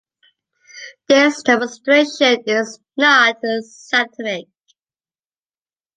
This demonstration is not scientific.